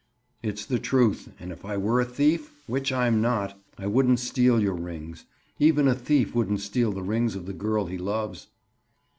"It's the truth. And if I were a thief—which I'm not—I wouldn't steal your rings. Even a thief wouldn't steal the rings of the girl he loves."